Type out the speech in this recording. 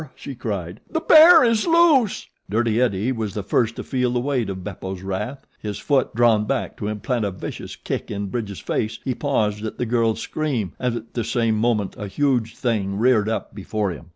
she cried. "The bear is loose!" Dirty Eddie was the first to feel the weight of Beppo's wrath. His foot drawn back to implant a vicious kick in Bridge's face he paused at the girl's scream and at the same moment a huge thing reared up before him.